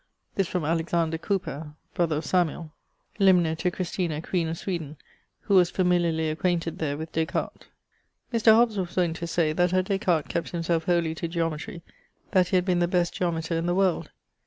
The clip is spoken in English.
This from Alexander Cowper (brother of Samuel), limner to Christina, queen of Sweden, who was familiarly acquainted there with Des Cartes. Mr. Hobbes was wont to say that had Des Cartes kept himselfe wholy to geometrie that he had been the best geometer in the world.